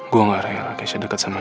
gue gak rela keisha deket sama nino